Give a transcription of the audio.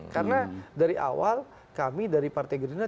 karena dari awal kami dari partai gerina